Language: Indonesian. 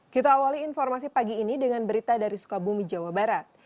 kita awali informasi pagi ini dengan berita dari sukabumi jawa barat